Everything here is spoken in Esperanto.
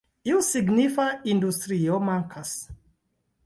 Iu signifa industrio mankas.